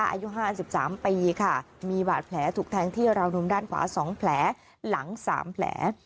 อายุห้าสิบสามปีค่ะมีบาดแผลถูกแทงที่ราวนุนด้านขวาสองแผลหลังสามแผล